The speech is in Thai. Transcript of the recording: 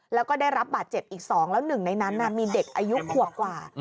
แล้วก็ได้รับบาดเจ็บอีก๒แล้วหนึ่งในนั้นมีเด็กอายุขวบกว่า